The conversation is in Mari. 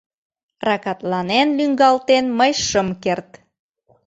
Ракатланен лӱҥгалтен мый шым керт.